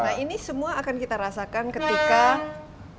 nah ini semua akan kita rasakan ketika